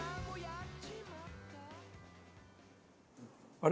あれ？